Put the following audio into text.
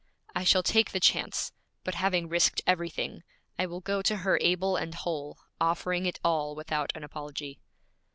'I shall take the chance; but having risked everything, I will go to her able and whole, offering it all without an apology.'